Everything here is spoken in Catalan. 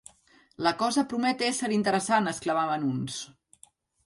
-La cosa promet ésser interessant!- exclamaven uns.